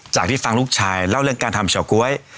ที่ฟังลูกชายเล่าเรื่องการทำเฉาก๊วย